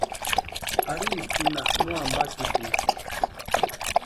Ari itsïnha no ampakitisti.